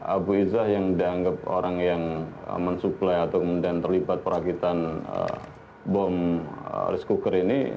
abu izzah yang dianggap orang yang mensuplai atau kemudian terlibat perakitan bom rice cooker ini